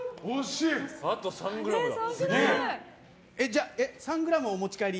あと３ｇだ。